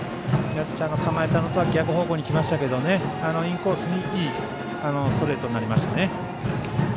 キャッチャーが構えたのとは逆方向にきましたがインコースにいいストレートになりましたね。